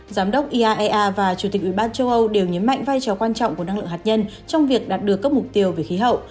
giám đốc iaea và chủ tịch ủy ban châu âu đều nhấn mạnh vai trò quan trọng của năng lượng hạt nhân trong việc đạt được các mục tiêu về khí hậu